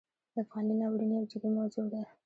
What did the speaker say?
د افغانۍ ناورین یو جدي موضوع ده.